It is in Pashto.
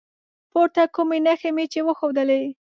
پورته کومې نښې مې چې وښودلي